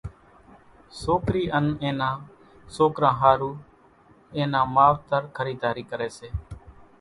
سوڪرِي ان اين نان سوڪران ۿارُو اين نان ماوتر خريڌارِي ڪري سي